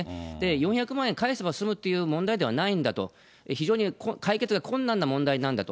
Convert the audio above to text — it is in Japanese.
４００万円返せば済むっていう話じゃないんだと、非常に解決が困難な問題なんだと。